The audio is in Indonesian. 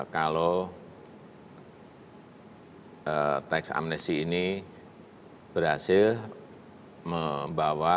kalau teks amnesti ini berhasil membawa